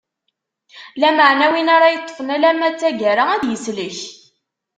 Lameɛna, win ara yeṭṭfen alamma d taggara ad yeslek.